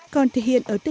còn thể hiện ở đất nước